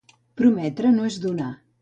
Prometre no és donar.